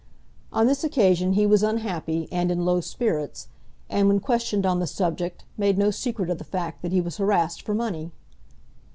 On this occasion he was unhappy and in low spirits; and when questioned on the subject made no secret of the fact that he was harassed for money.